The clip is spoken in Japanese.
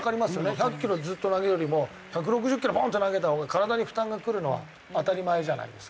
１００キロずっと投げるよりも１６０キロボンって投げたほうが体に負担がくるのは当たり前じゃないですか。